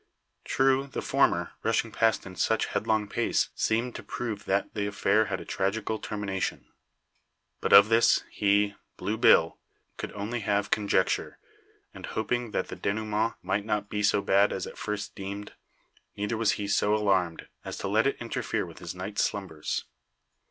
True, the former, rushing past in such headlong pace, seemed to prove that the affair had a tragical termination. But of this, he, Blue Bill, could only have conjecture; and, hoping the denouement might not be so bad as at first deemed, neither was he so alarmed as to let it interfere with his night's slumbers.